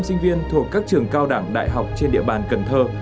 sinh viên thuộc các trường cao đẳng đại học trên địa bàn cần thơ